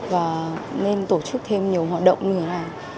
và nên tổ chức thêm nhiều hoạt động như thế này